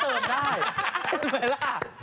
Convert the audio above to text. พูดไว้แล้ว